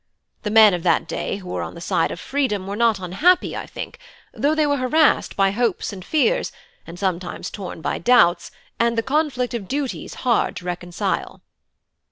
The men of that day who were on the side of freedom were not unhappy, I think, though they were harassed by hopes and fears, and sometimes torn by doubts, and the conflict of duties hard to reconcile."